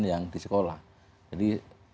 yang di sekolah jadi